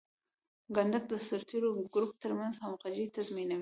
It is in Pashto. کنډک د سرتیرو د ګروپ ترمنځ همغږي تضمینوي.